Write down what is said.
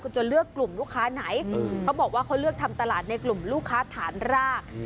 คุณจะเลือกกลุ่มลูกค้าไหนเขาบอกว่าเขาเลือกทำตลาดในกลุ่มลูกค้าฐานราก